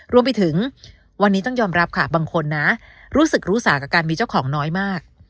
รวมไปถึงวันนี้ต้องยอมรับค่ะบางคนนะรู้สึกรู้สากับการมีเจ้าของน้อยมาก